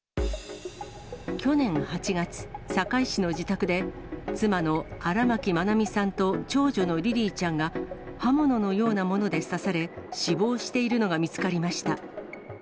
去年８月、堺市の自宅で、妻の荒牧愛美さんと長女のリリィちゃんが、刃物のようなもので刺され、死亡しているのが見つかりました。